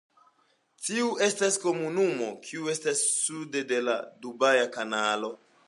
Tiu estas komunumo kiu estas sude de la Dubaja Kanalo.